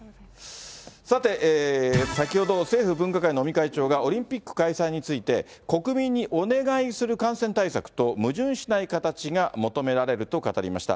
さて、先ほど、政府分科会の尾身会長がオリンピック開催について、国民にお願いする感染対策と矛盾しない形が求められると語りました。